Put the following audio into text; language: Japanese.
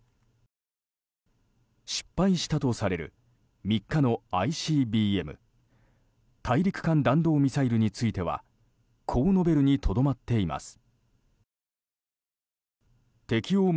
失敗したとされる３日のＩＣＢＭ・大陸間弾道ミサイルについてはこう述べるにとどまっています。